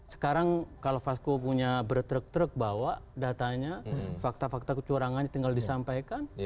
sekarang kalau fasko punya bertrek truk bawa datanya fakta fakta kecurangannya tinggal disampaikan